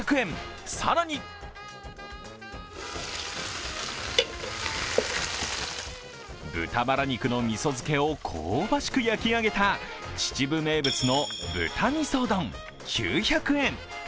更に豚バラ肉のみそ漬けを香ばしく焼き上げた秩父名物の豚みそ丼９００円。